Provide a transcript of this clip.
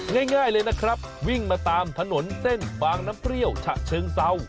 ง่ายเลยนะครับวิ่งมาตามถนนเส้นบางน้ำเปรี้ยวฉะเชิงเศร้า